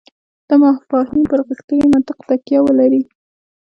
دا مفاهیم پر غښتلي منطق تکیه ولري.